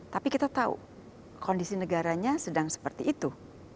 tapi kita tahu kondisi negaranya sedang seperti itu